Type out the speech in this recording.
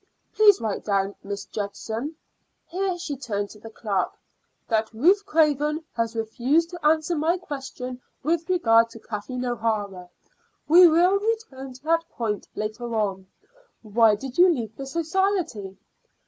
Please write down, Miss Judson" here she turned to the clerk "that Ruth Craven has refused to answer my question with regard to Kathleen O'Hara. We will return to that point later on. Why did you leave the society?"